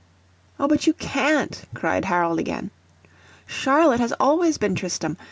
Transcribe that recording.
"O, but you can't," cried Harold again. "Charlotte has always been Tristram.